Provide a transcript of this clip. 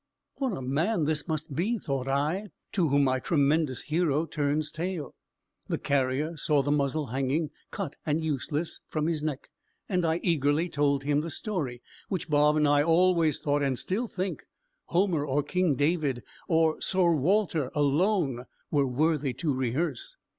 What a man this must be thought I to whom my tremendous hero turns tail. The carrier saw the muzzle hanging, cut and useless, from his neck, and I eagerly told him the story, which Bob and I always thought, and still think, Homer, or King David, or Sir Walter alone were worthy to rehearse.